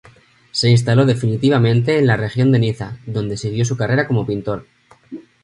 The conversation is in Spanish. Se instaló definitivamente en la región de Niza donde siguió su carrera como pintor.